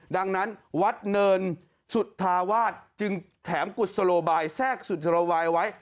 ดังนั้นวัดเนินสุธาวาสจึงแถมกุศโลบายแทรกสุจรวายไว้